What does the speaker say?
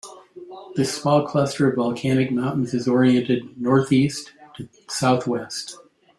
This small cluster of volcanic mountains is oriented northeast to southwest.